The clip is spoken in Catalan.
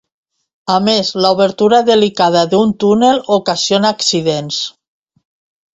A més, l'obertura delicada d'un túnel ocasiona accidents.